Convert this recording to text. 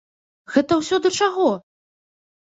Гэта ўсё да чаго?